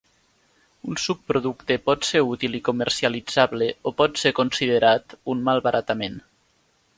Un subproducte pot ser útil i comercialitzable o pot ser considerat un malbaratament.